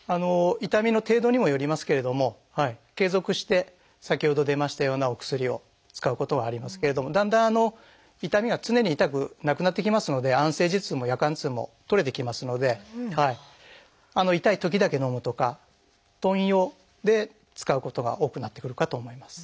痛みの程度にもよりますけれども継続して先ほど出ましたようなお薬を使うことはありますけれどもだんだん痛みが常に痛くなくなってきますので安静時痛も夜間痛も取れてきますので痛いときだけのむとか頓用で使うことが多くなってくるかと思います。